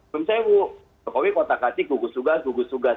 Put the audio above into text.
misalnya wu jokowi kota kacik gugus sugas gugus sugas